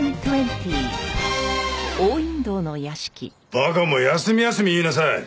馬鹿も休み休み言いなさい。